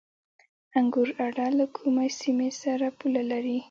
انګور اډه له کومې سیمې سره پوله لري؟